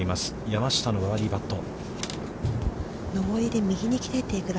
山下のバーディーパット。